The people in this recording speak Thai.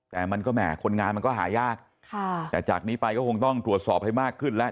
แต่มันก็แหมคนงานมันก็หายากแต่จากนี้ไปก็คงต้องตรวจสอบให้มากขึ้นแล้ว